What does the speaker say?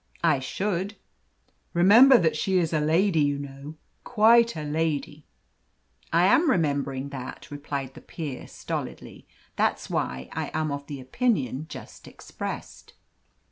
"I should." "Remember that she is a lady, you know. Quite a lady." "I am remembering that," replied the peer stolidly; "that's why I am of the opinion just expressed."